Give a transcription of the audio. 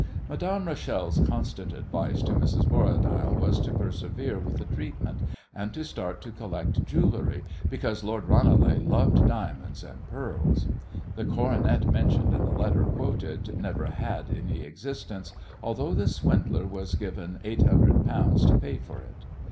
Madame Rachel's constant advice to Mrs. Borradaile was to persevere with the treatment, and to start to collect jewellery, because Lord Ranelagh loved diamonds and pearls. The coronet mentioned in the letter quoted never had any existence, although the swindler was given eight hundred pounds to pay for it.